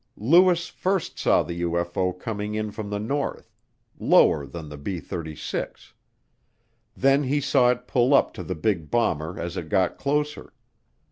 Lewis first saw the UFO coming in from the north, lower than the B 36; then he saw it pull up to the big bomber as it got closer.